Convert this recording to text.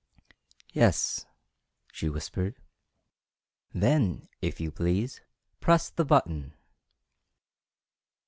"Yes," she whispered. "Then if you please press the button!"